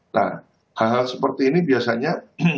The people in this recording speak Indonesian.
nah hal hal seperti ini biasanya